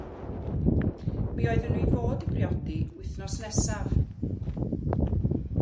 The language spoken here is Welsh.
Mi oedden nhw i fod i briodi wythnos nesaf.